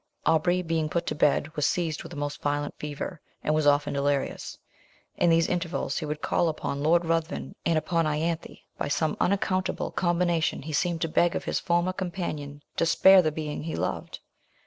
Aubrey being put to bed was seized with a most violent fever, and was often delirious; in these intervals he would call upon Lord Ruthven and upon Ianthe by some unaccountable combination he seemed to beg of his former companion to spare the being he loved.